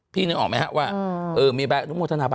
นึกออกไหมครับว่ามีใบอนุโมทนาบ